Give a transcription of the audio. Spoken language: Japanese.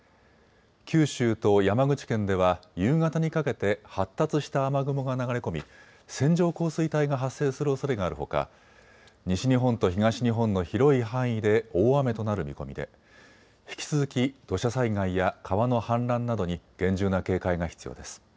九州と山口県では夕方にかけて発達した雨雲が流れ込み線状降水帯が発生するおそれがあるほか西日本と東日本の広い範囲で大雨となる見込みで引き続き土砂災害や川の氾濫などに厳重な警戒が必要です。